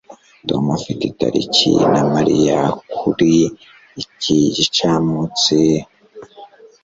tom afite itariki na mariya kuri iki gicamunsi